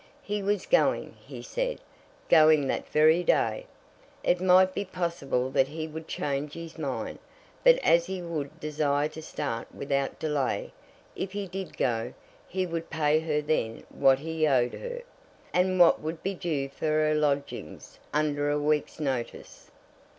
"He was going," he said; "going that very day." It might be possible that he would change his mind; but as he would desire to start without delay, if he did go, he would pay her then what he owed her, and what would be due for her lodgings under a week's notice.